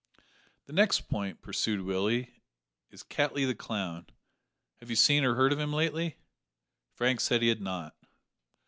"The next point," pursued Willie, "is Cattley the clown. Have you seen or heard of him lately?" Frank said he had not.